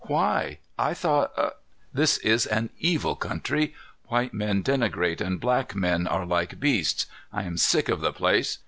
"Why? I thought " "This is an evil country. White men denigrate and black men are like beasts. I am sick of the place.